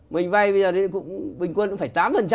mình vay bình quân cũng phải tám